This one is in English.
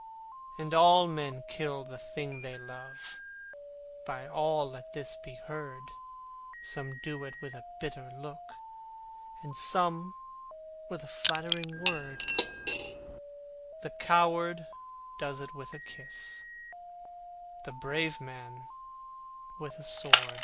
And all men kill the thing they love, By all let this be heard, Some do it with a bitter look, Some with a flattering word, The coward does it with a kiss, The brave man with a sword!